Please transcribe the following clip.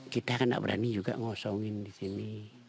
kita kan gak berani juga ngosongin di sini